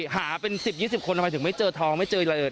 หาเป็น๑๐๒๐คนคือไม่เจอทองไม่เจออีกไร